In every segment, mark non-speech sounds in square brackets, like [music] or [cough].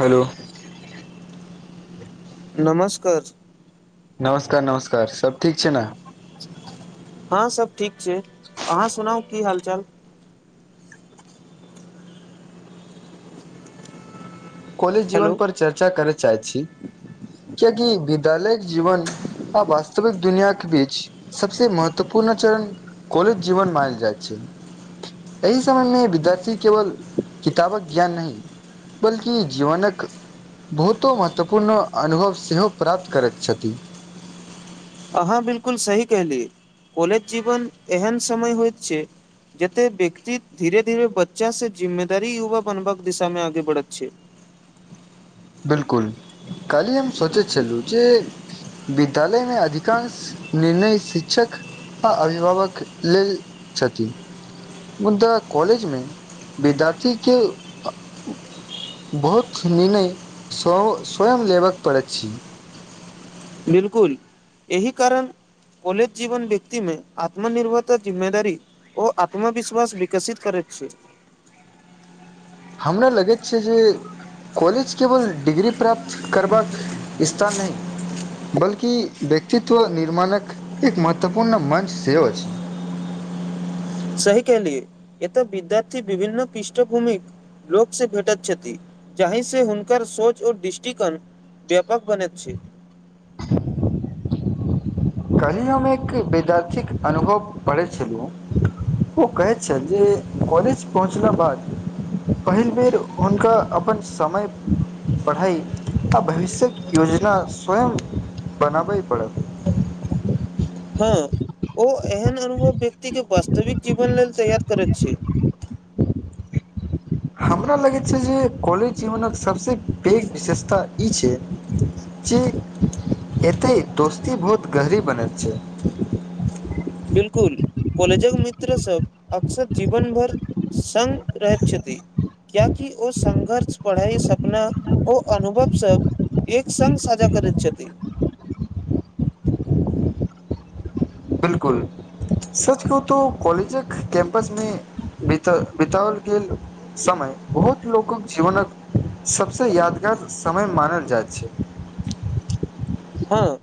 Hello नमस्कार नमस्कार, नमस्कार! सब ठीक छै ने? हँ, सब ठीक छै, अहाँ सुनाउ की हाल-चाल? कॉलेज हेलो जीवन पर चर्चा करय चाहै छी कियकि विद्यालयके जीवन आ वास्तविक दुनियाके बीच सबसँ महत्वपूर्ण चरण काॅलेज जीवन मानल जाइत छै एहि समयमे विद्यार्थी केवल किताब ज्ञान नहि बल्कि जीवनक बहुतो महत्वपूर्ण अनुभव सेहो प्राप्त करैत छथि अहाँ बिलकुल सही कहली, कॉलेज जीवन एहन समय होइत छै जते व्यक्ति धीरे-धीरे बच्चासे जिम्मेदारी युवा बनबाक दिशामे आगे बढ़ैत छै बिल्कुल काल्हिये हम सोचै छलहुँ जे विद्यालयमे अधिकांश निर्णय शिक्षक हॅं, अभिभावक लेल छथिन मुदा कॉलेजमे विद्यार्थीके [unintelligible] सभ स्वयं लेब पड़ैत छै बिल्कुल, एहि कारण कॉलेज जीवन व्यक्तिमे आत्मनिर्भरता जिम्मेदारी ओ आत्मविश्वास विकसित करैत छै हमरा लगैत छै जे कॉलेज केवल डिग्री प्राप्त करबाक स्थान नहि बल्कि व्यक्तित्व निर्माणक एक महत्वपूर्ण मंच सेहो अछि सही कहलिए एतय विद्यार्थी विभिन्न पृष्ठभूमिक लोकसे भेटत छथि, जाहिसे हुनकर सोच आ दृष्टिकोण व्याप- [unintelligible] बनैत छै काल्हि हम एक विद्यार्थीके अनुभव पढ़ै छलहुँ ओ कहैत छल जे कॉलेज पहुँचलाक बाद पहिल बेर हुनका अपन समय पढ़ाइ आ भविष्यक योजना स्वयं बनाबय पड़त हँ ओ एहन अनुभव व्यक्ति के वास्तविक जीवन लेल तैयार करैत छी हमरा लगैत छै जे कॉलेज जीवनक सभसँ पैघ विशेषता ई छै जे एतै दोस्ती बहुत गहरी बनैत छै बिल्कुल कॉलेजक मित्र सब अक्सर जीवन भर संग रहैत छथि कियाकि ओ संघर्ष पढ़ाई सपना ओ अनुभव सब एक संघ साझा करै छथि बिल्कुल सच कहु त कॉलेजक कैम्पसमे बित बितओल गेल समय बहुतो लोकक जीवनक सबसे यादगार समय मानल जाइत छै हँ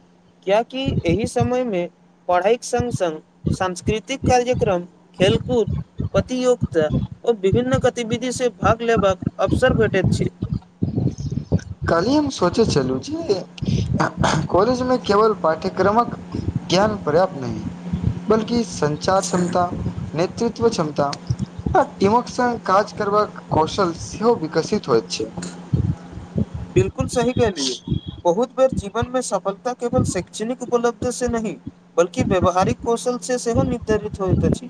क्याकि एहि समय मे पढ़ाएक संग संग सांस्कृतिक कार्यक्रम खेलकूद प्रतियोगिता ओ विभिन्न गतिविधि से भाग लेबाक अवसर भेटैत छै कल्हि हम सोचे छलहु जे कॉलेजमे केवल पाठ्यक्रमक ज्ञान पर्याप्त नहि बल्कि संचार क्षमता नेतृत्व क्षमता इमक [unintelligible] संग काज करबाक कौशल सेहो विकसित होइत छै बिल्कुल सही कह लीए बहुत बेर जीवन में सफलता केवल शैक्षणिक उपलब्ध से नहि बल्कि व्यावहारिक कौशल से सेहो निर्धारित होइत अछि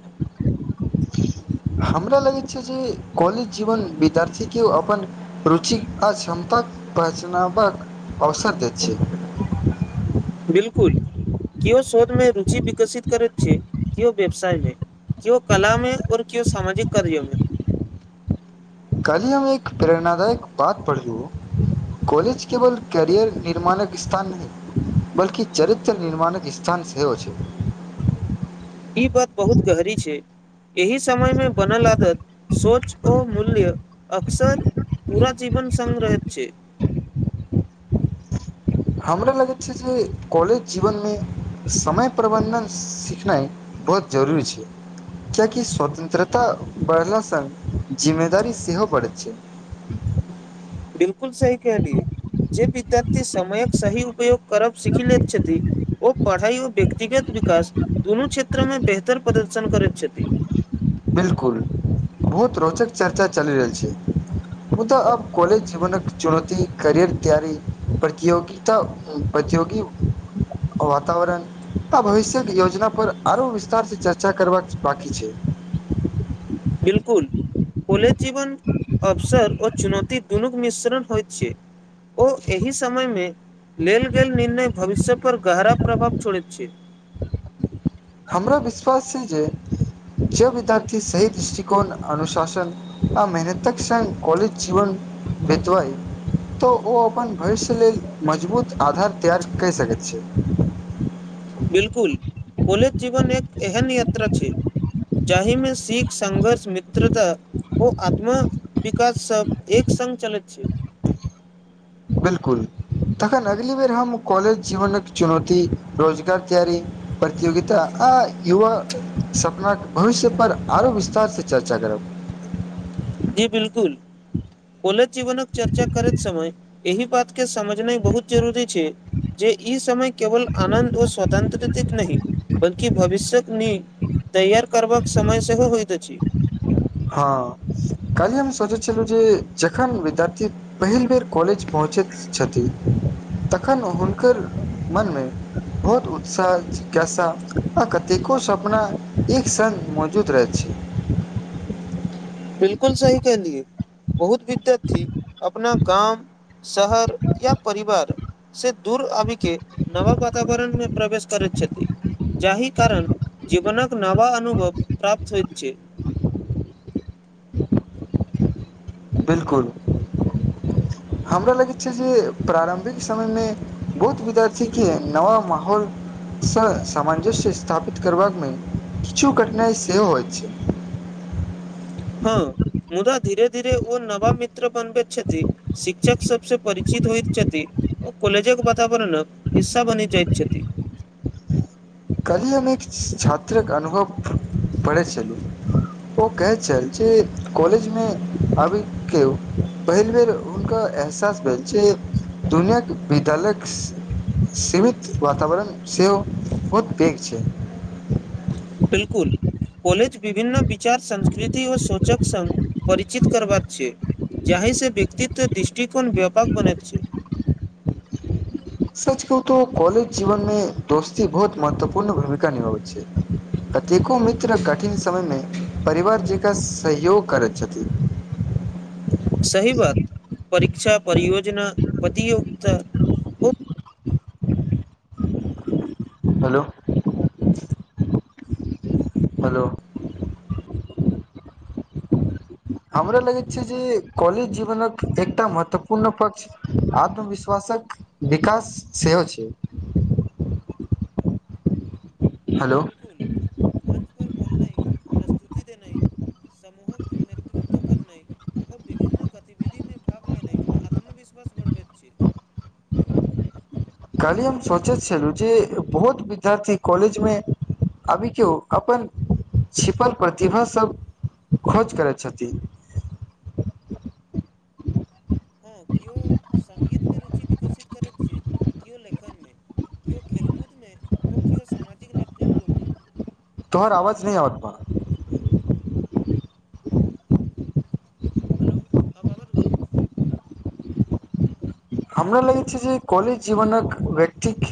हमरा लगैत छै जे कॉलेज जीवन विद्यार्थीक के अपन रुचि आ क्षमताक बचनावक अवसर दैत छै बिल्कूल केओ शोध मे रुचि विकसित करैत छै केओ व्यवसाय मे कियो कला में औ कियो सामाजिक कार्यो म कलहि हम एक प्रेरणादायक बात पढ़ीलउ कॉलेज केवल करियर निर्माणक स्थान नहि बलकि चरित्र निर्माणक स्थान सेहोय छै ई बात बहुत गहरी छै एहि समय में बनल आदत सोच ओ मूल्य अक्सर पूरा जीवन संग रहैत छै हमरा लगैत छै जे कॉलेज जीवनमे समय प्रबन्धन सिखनाइ बहुत जरूरी छै कियाकि स्वतंत्रता बढ़लासँ जिम्मेदारी सेहो बढ़ैत छै बिल्कुल सही कह लियए जे विद्यार्थी समयक सही उपयोग करब सीखि ले छथि ओ पढ़ाई ओ व्यक्तिगत विकास दुनू क्षेत्र में बेहतर प्रदर्शन करैत छथि बिल्कुल बहुत रोचक चर्चा चलि रहल छै मुदाऽ अब कॉलेज जीवनक चुनौती करियर तैयारी प्रतियोगी तऽ प्रतियोगी वातावरण आ भविष्य योजना पर आरो विस्तार से चर्चा करबा बाकी छै बिल्कुल कॉलेज जीवन अवसर ओ चुनौती दूनुक मिश्रण होइ छै ओ एहि समय मे लेल गेल निर्णय भविष्य पर गहरा प्रभाव छोड़ैत छै हमरा विश्वास छै जे जे विद्यार्थी सही दृष्टिकोण अनुशासन आ मेहनतक स कॉलेज जीवन बितबइ तऽ ओ अपन भविष्य लेल मजबूत आधार तैयार क सकैत छै बिलकुल कौलेज जीवन एक एहन यात्रा छै जाहिमे सिख संघर्ष मित्रता ओ आत्म विकास सब एक संग चलैत छै बिलकुल तखन अगली बेर हम कॉलेज जीवन मे चुनौती रोजगार तैयारी प्रतियोगिता आ युवा सपना भविष्य पर आरो विस्तार स चर्चा करब जी बिलकुल कौलेज जीवनक चर्चा करैत समय एहि बात के समझनाई बहुत जरुरी छै जे ई समय केवल आनन्द व स्वतन्त्रतित नहि बल्कि भविष्य्यक निव तैयार करबाक समय सेहो होइत अछि हँ कालहि हम सोचै छलहुँ जे जखन विद्यार्थी पहिल बेर कॉलेज पहुँचैत छथिन तखन हुनकर मनमे बहुत उत्साह जिज्ञासा आ कतेको सपना एक सन मौजूद रहै छै बिलकुल सही कहलियए बहुत विद्यथी अपना गाम शहर या परिवार से दूर आबि के नव वातावरण मे प्रवेश करैत छथि जाहि कारण जीवनकक नवा अनुभव प्राप्त होइ छै बिलकुल हमरा लगैत छै जे प्रारम्भिक समय मे बहुत विद्यार्थी के नवा माहौल सामंजस्य स्थापित करबामे किछु कठिनाइ सेहो होइत छै हँ मुदा धीरे धीरे ओ नवाबिक बनबैत छथि शिक्षक सबसँ परिचित होइत छथि ओ कलेजक वातावरणक हिस्सा बनि जाइत छथि कहलि हम एक छात्रक अनुभव पढ़ैत छलहुँ ओ कहै छल जे कॉलेज मे अभी के पहिल बेर हुनका एहसास भेल जे दुनिआके विद्यालय सीमित वातावरण सेहोव [unintelligible] छै बिल्कुल कोॉलज विभिन्न विचार संस्कृति ओ सोचक संघ परिचित करबाक छै जाही से व्यक्तित्व दृष्टिकोन व्यापक बनत छै सच कहु तो कॉलेज जीवन मे दोस्ती बहुत महत्वपूर्ण भूमिका निभाबै छै कतेको मित्र कठिन समयमे परिवार जकाँ सहयोग करैत छथिन सही बात परीक्षा परियोजना पदियो्तऽ हेलो हेलो हमरा लगै छै जे कॉलज जीवनक एकटा महत्वपूर्ण पक्ष आत्मविश्वासक विकास सेहो छै हेलो बिलकुल मंच पर बोलनाइ स्तुति देने समूहक नेतृत्व करनाय ओ विभिन्न गतिविधि मे भाग लेने आत्मविश्वास बढ़बैत छैय। कायलही हम सोचैत छलहुँ जे बहुत विद्यार्थी कॉलेजमे अभी केओ अपन छिपल प्रतिभासभ खोज करैत छथि। हँ केओ सङ्गीतमे रुचि विकसित करैत छियै केओ लेखनमे। केओ खेल कूद मे [unintelligible] तोहर आवाज नहिं आवतबा। हेलो [unintelligible] हमरा लागै छैय जे कॉलेज जीवनक व्यक्तिक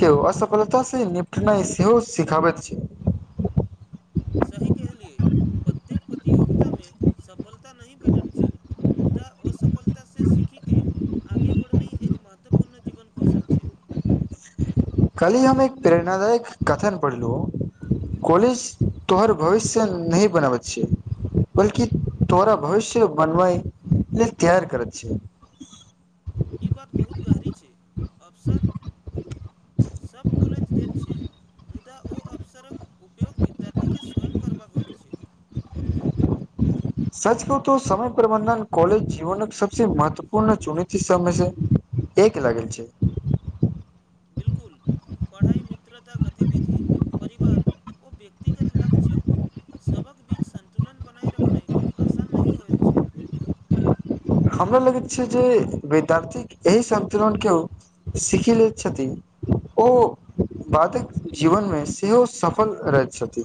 केओ असफलता से निपटनाइ सेहो सिखाबैत छैय। सही कहलियै प्रत्येक प्रतियोगितामे सफलता नहि भेटैत छैय। मुदा असफलतासे सीखी के आगे बढ़नाइ एक महत्वपूर्ण जीवन कौशल छैय। कल्हि हम एक प्रेरणादायक कथन पढ़लहुँ कॉलेज तोहर भविष्य नहि बनाबैत छैय बल्कि तोरा भविष्य बनबाय लेल तैयार करैत छैय। ई बात बहुत गहरी छैय अवसर सब कॉलेज दैत छैय। मुदा ओ अवसरक उपयोग विद्यार्थीके स्वयं करबाक होइत छैय। सच कहूं त समय प्रबन्धन कॉलेज जीवनक सबसे महत्वपूर्ण चुनौती सब मे से एक लगै छैय। बिलकुल [unintelligible] मित्रता गतिविधि परिवार ओ व्यक्तगत लक्ष्य सबक बीच संन्तुलन बनाय रखनाइ आसान नहि होइत छैय। हमरा लगैत छैय जे विद्यार्थीक एहि संतुलन के सीखी लैत छथि। ओ बादक जीवनमे सेहो सफल रहैत छथि।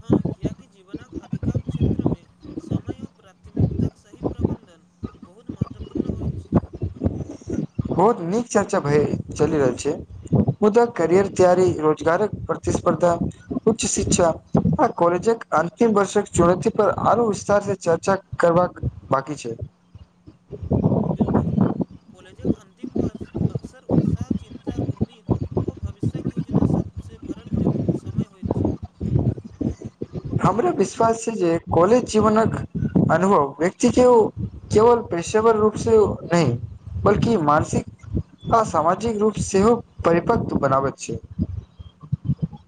हँ कियाकि जीवनक अधिकांश क्षेत्र में समय व प्राथमिकताक सही प्रबन्धन बहुत महत्वपूर्ण होइत छैय। बहुत नीक चर्चा भए चलि रहल छैय। मुदा करियरके तैयारी रोजगारक प्रतिस्पर्धा उच्च शिक्षा आ कॉलेजक अन्तिम वर्षक चुनौती पर आरो विस्तार से चर्चा करबाक बाकी छैय। [inaudible] बिल्कुल कॉलेजक अंतिम वर्ष अक्सर उत्साह चिन्ता उम्मीद ओ भविष्य्यक योजना सब से भरल ज समय होइत छैय। हमरा विश्वास छैय जे कॉलेज जीवनक अनुभव व्यक्ति के ओ केवल प्रेशवर रूप से नहि बल्कि मानसिक आ सामाजिक रूप सेहो परिपक्व बनाबैत छैय।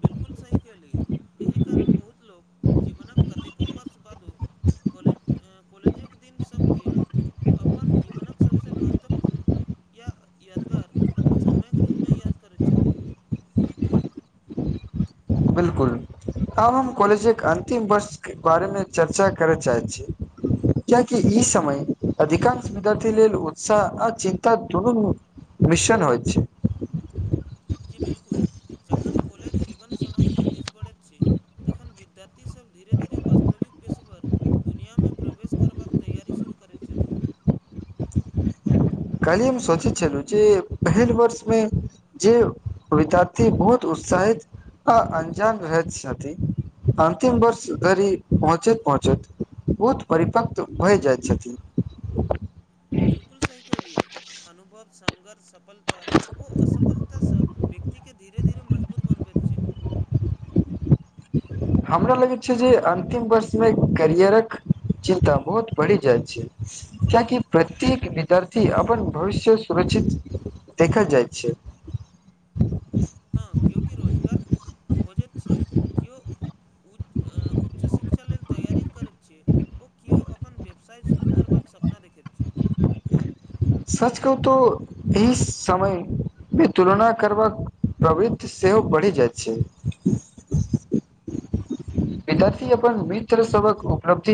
बिल्कुल सही कहलियै एहि कारण बहुत लोक जीवनक कतेको वर्ष बादो कॉलेज अ कॉलेजक दिन सबके अपन जीवनक सबसे महत्वपूर्ण या यादगार समयक रूपमे याद करै छथि। बिलकुल आब हम कॉलेजके अंतिम वर्षके बारेमे चर्चा करै चाहैत छी। कियाकि ई समय अधिकांश विद्यार्थी लेल उतसाह आ चिन्ता दुनु मिशन होइत छैय। जी बिलकुल। जखन कॉलज जीवन समाप्ति दिश बढ़ैत छै तखन विद्यार्थी सब धीरे-धीरे वास्तविक पेशेवर दुनियामे प्रवेश करबाक तैयारी शुरू करैत छथि काल्हिए हम सोचैत छलहुँ जे पहिल वर्षमे जे विद्यार्थी बहुत उत्साहित आ अनजान रहैत छथि अन्तिम वर्ष धरि पहुँचैत-पहुँचैत बहुत परिपक्व भए जाइत छथि बिल्कुल सही कहलियै अनुभव, संघर्ष, सफलता ओ असफलता सब व्यक्तिके धीरे-धीरे मजबूत बनबैत छै हमरा लगैत छै जे अन्तिम वर्षमे करियरक चिन्ता बहुत बढ़ि जाइत छै। किएकि प्रत्येक विद्यार्थी अपन भविष्य सुरक्षित देखल जाइत छै हँ, केओकि रोजगार खोजैत छै केओ उच्च शिक्षा लेल तैयारी करैत छियै ओ केओ अपन व्यवसाय शुरू करबाक सपना देखैत छै सच कहु तऽ एहि समय [unintelligible] तुलना करबाक प्रवृति सेहो बढ़ि जाइत छै विद्यार्थी अपन [unintelligible] उपलब्धि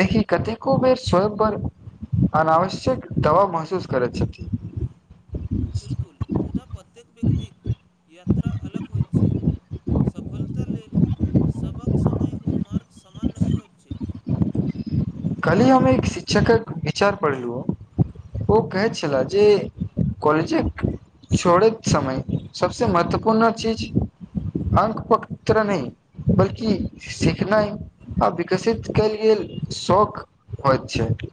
देखि कतेको बेर स्वयं पर अनावश्यक दवाब महसूस करैत छथि बिल्कुल मुदा प्रत्येक व्यक्तिक यात्रा अलग होइ छै सफलता लेल सभक समय ओ मार्ग समान नहि होइत छै काल्हिए हम एक शिक्षकक विचार पढ़लहुँए ओ कहैत छलाह जे कॉलेजक छोड़ैत समय सबसे महत्वपूर्ण चीज अंक-पत्र नहि बल्कि सिखनाइ आ विकसित कयल गेल सौख होइत छै